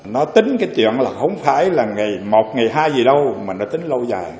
nó tính cái chuyện là không phải là ngày một ngày hai gì đâu mà nó tính lâu dài